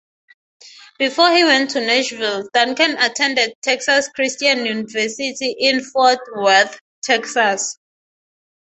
Before he went to Nashville, Duncan attended Texas Christian University in Fort Worth, Texas.